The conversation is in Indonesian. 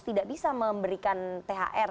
tidak bisa memberikan thr